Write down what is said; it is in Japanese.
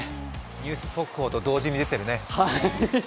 ニュース速報と同時に出てるね。